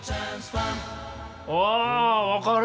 あ分かる。